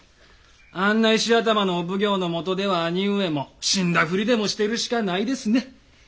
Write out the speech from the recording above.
あんな石頭のお奉行のもとでは兄上も死んだふりでもしてるしかないですね。